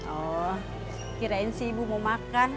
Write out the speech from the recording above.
oh kirain sih ibu mau makan